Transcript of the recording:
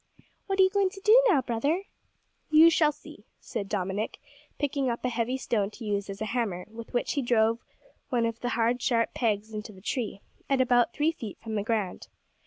"What are you going to do now, brother?" "You shall see," said Dominick, picking up a heavy stone to use as a hammer, with which he drove one of the hard, sharp pegs into the tree, at about three feet from the ground.